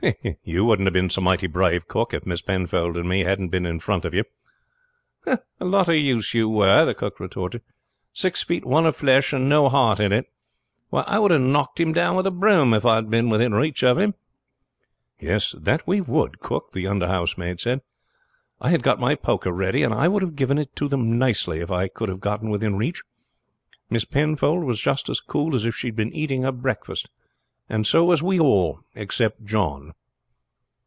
"You wouldn't have been so mighty brave, cook, if Miss Penfold and me hadn't been in front of you." "A lot of use you were!" the cook retorted. "Six feet one of flesh, and no heart in it! Why, I would have knocked him down with a broom if I had been within reach of him." "Yes, that we would, cook," the under housemaid said. "I had got my poker ready, and I would have given it them nicely if I could have got within reach. Miss Penfold was just as cool as if she had been eating her breakfast, and so was we all except John."